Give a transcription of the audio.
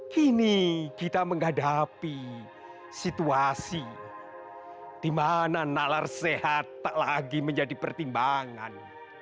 kini kita menghadapi situasi di mana nalar sehat tak lagi menjadi pertimbangan